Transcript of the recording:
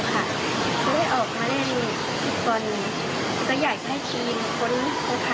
ก็อยากให้ทีมคนโทษหาเร็วค่ะ